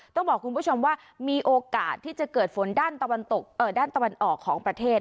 ต้องบอกคุณผู้ชมว่ามีโอกาสที่จะเกิดฝนด้านตะวันออกของประเทศ